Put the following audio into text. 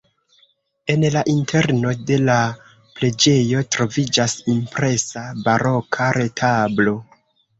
En la interno de la preĝejo troviĝas impresa baroka retablo.